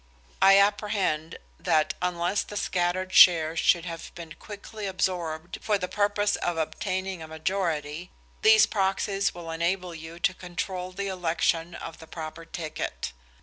I apprehend that unless the scattered shares should have been quickly absorbed for the purpose of obtaining a majority, these Proxies will enable you to control the election of the proper ticket.